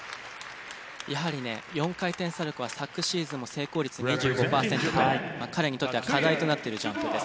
やはりね４回転サルコーは昨シーズンも成功率２５パーセントと彼にとっては課題となっているジャンプです。